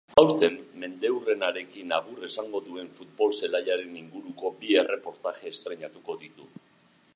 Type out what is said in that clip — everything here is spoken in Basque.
Aurten mendeurrenarekin agur esango duen futbol zelaiaren inguruko bi erreportaje estreinatuko ditu.